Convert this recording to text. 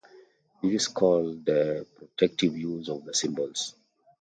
This is called the "protective use" of the symbols.